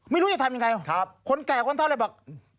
ไม่รู้จะทำยังไงคนแก่คนเท่าเลยบอก